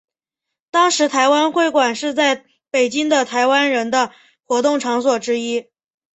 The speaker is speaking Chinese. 当时台湾会馆是在北京的台湾人的活动场所之一。